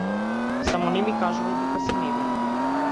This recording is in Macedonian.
Само не ми кажувај дека си невин.